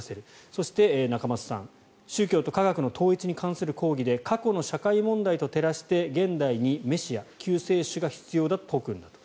そして仲正さん宗教と科学の統一に関する講義で過去の社会問題と照らして現代にメシア、救世主が必要だと説くんだと。